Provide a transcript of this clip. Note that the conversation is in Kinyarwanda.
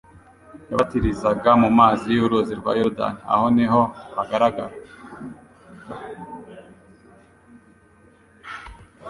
Yabatirizaga mu mazi y'uruzi rwa Yorodani; aho ni ho hagaragaraga